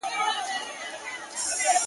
ما ددې غرونو په لمنو کي شپېلۍ ږغول.!